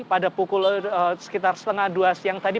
pada pukul sekitar setengah dua siang tadi